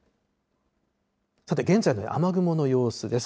さて、現在の雨雲の様子です。